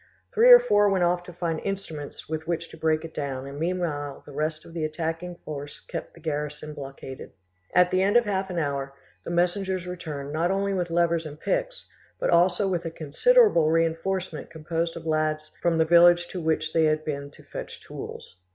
Three or four went off to find instruments with which to break it down and meanwhile the rest of the attacking farce kept the garrison blockaded. At the end of half an hour the messengers returned not only with levers and picks, but also with a considerable reinforcement composed of lads from, the village to which they had been to fetch tools.